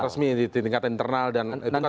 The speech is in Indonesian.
resmi di tingkat internal dan itu kan akan diungkap